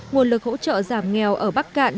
nguồn lực hỗ trợ giảm nghèo ở bắc cạn